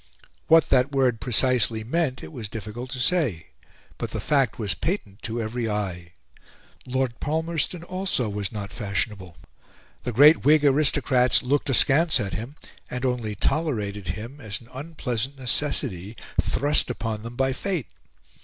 What that word precisely meant it was difficult to say; but the fact was patent to every eye. Lord Palmerston, also, was not fashionable; the great Whig aristocrats looked askance at him, and only tolerated him as an unpleasant necessity thrust upon them by fate.